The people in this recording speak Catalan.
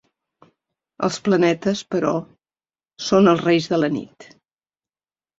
Els planetes, però, són els reis de la nit.